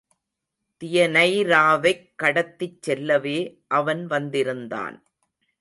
தியனைராவைக் கடத்திச் செல்லவே அவன் வந்திருந்தான்.